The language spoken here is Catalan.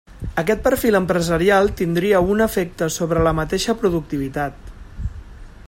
Aquest perfil empresarial tindria un efecte sobre la mateixa productivitat.